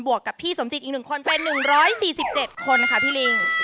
บวกกับพี่สมศิษย์อีกหนึ่งคนเป็น๑๔๗คนนะคะพี่ลิง